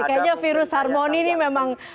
kayaknya virus harmoni ini memang